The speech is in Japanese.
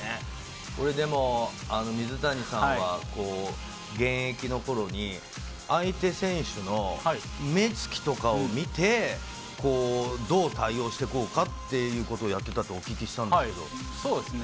これでも、水谷さんは現役のころに、相手選手の目つきとかを見て、どう対応していこうかっていうことをやってたってお聞きしたんでそうですね。